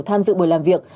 tham dự buổi làm việc